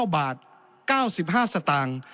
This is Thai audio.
๙บาท๙๕สตางค์